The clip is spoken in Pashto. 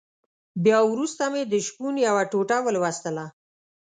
بيا وروسته مې د شپون يوه ټوټه ولوستله.